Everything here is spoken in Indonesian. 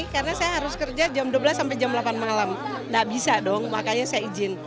karena saya harus kerja jam dua belas sampai jam delapan malam gak bisa dong makanya saya izin